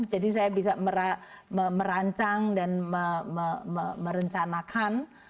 saya bisa merancang dan merencanakan